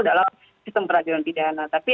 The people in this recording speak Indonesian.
dalam sistem peradilan pidana tapi